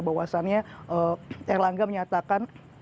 bahwasannya erlangga menyatakan